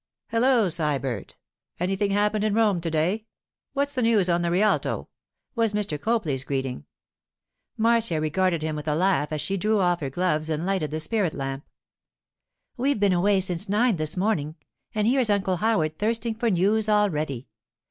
'Hello, Sybert! Anything happened in Rome to day? What's the news on the Rialto?' was Mr. Copley's greeting. Marcia regarded him with a laugh as she drew off her gloves and lighted the spirit lamp. 'We've been away since nine this morning, and here's Uncle Howard thirsting for news already!